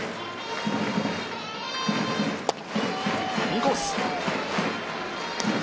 インコース。